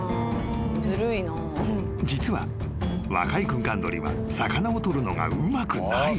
［実は若いグンカンドリは魚を捕るのがうまくない］